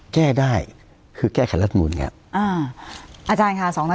แก้ได้คือแก้ไขรัฐหมาตรีอย่างนี้